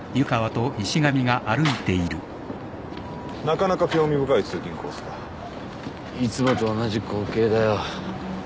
なかなか興味深い通勤コースだいつもと同じ光景だよ